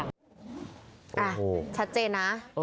้าชัดเจนนะ